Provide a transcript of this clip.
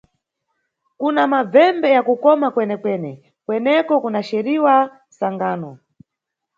Kuna mabvembe ya kukoma kwenekwene, kweneko cunaceriwa Sangano.